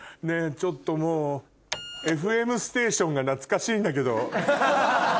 ちょっともう『ＦＭＳＴＡＴＩＯＮ』が懐かしいんだけど。